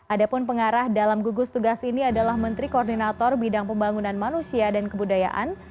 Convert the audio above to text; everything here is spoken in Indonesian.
ada pun pengarah dalam gugus tugas ini adalah menteri koordinator bidang pembangunan manusia dan kebudayaan